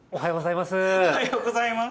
おはようございます！